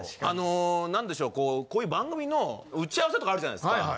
あのなんでしょうこういう番組の打合せとかあるじゃないですか。